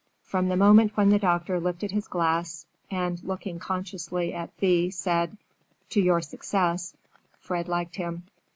From the moment when the doctor lifted his glass and, looking consciously at Thea, said, "To your success," Fred liked him.